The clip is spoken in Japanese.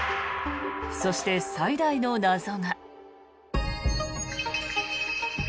そして、最大の謎が。